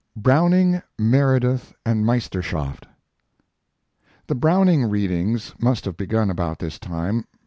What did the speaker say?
BROWNING, MEREDITH, AND MEISTERSCHAFT The Browning readings must have begun about this time.